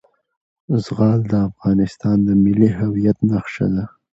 زغال د افغانستان د ملي هویت نښه ده.